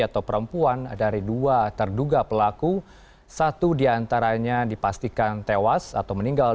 atau perempuan dari dua terduga pelaku satu diantaranya dipastikan tewas atau meninggal